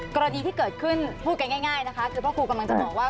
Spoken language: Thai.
กรณีที่เกิดขึ้นพูดกันง่ายนะคะคือพ่อครูกำลังจะบอกว่า